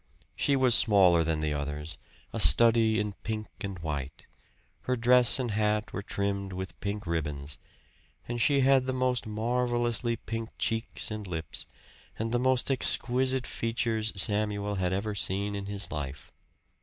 She was smaller than the others, a study in pink and white; her dress and hat were trimmed with pink ribbons, and she had the most marvelously pink cheeks and lips, and the most exquisite features Samuel had ever seen in his life.